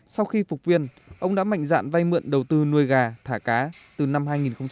sau khi phục viên ông đã mạnh dạn vay mượn đầu tư nuôi gà thả cá từ năm hai nghìn một mươi